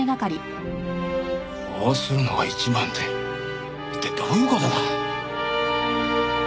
「こうするのが一番」って一体どういう事だ？